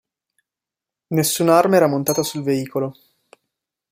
Nessuna arma era montata sul veicolo.